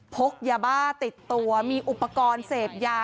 พกยาบ้าติดตัวมีอุปกรณ์เสพยา